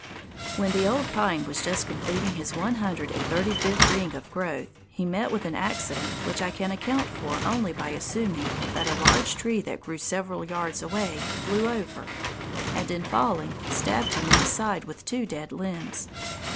When the old pine was just completing his one hundred and thirty fifth ring of growth, he met with an accident which I can account for only by assuming that a large tree that grew several yards away blew over, and in falling, stabbed him in the side with two dead limbs.